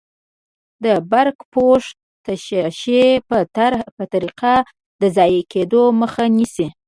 د براق پوښ تشعشع په طریقه د ضایع کیدو مخه نیسي.